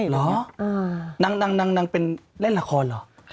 เหรอนางเป็นเล่นละครเหรอ